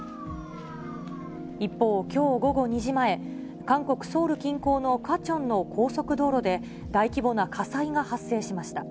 一方、きょう午後２時前、韓国・ソウル近郊のクァチョンの高速道路で、大規模な火災が発生しました。